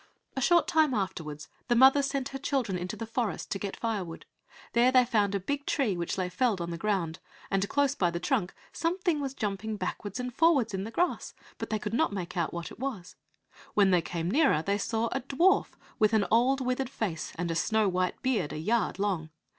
A short time afterwards the mother sent her children into the forest to get fire wood. There they found a big tree which lay felled on the ground, and close by the trunk something was jumping backwards and forwards in the grass, but they could not make out what it was. When they came nearer they saw a dwarf with an old withered face and a snow white beard a yard long.